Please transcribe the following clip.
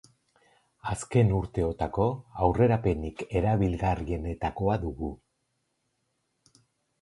Azken urteotako aurrerapenik erabilgarrienetakoa dugu.